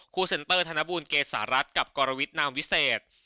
ครูเซ็นเบอร์ทานบูรเกสสหรัตน์กรกฎวิชนามวิสเนจ